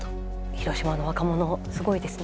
広島の若者すごいですね。